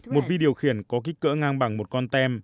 một vi điều khiển có kích cỡ ngang bằng một con tem